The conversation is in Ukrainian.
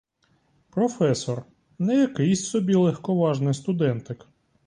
Професор, не якийсь собі легковажний студентик.